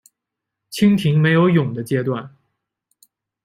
蜻蜓没有蛹的阶段。